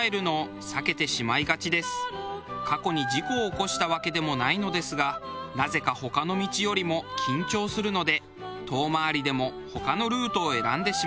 過去に事故を起こしたわけでもないのですがなぜか他の道よりも緊張するので遠回りでも他のルートを選んでしまいます。